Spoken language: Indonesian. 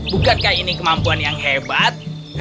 bukankah ini kemampuan yang hebat